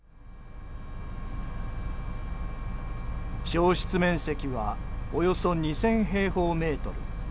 焼失面積はおよそ２０００平方メートル。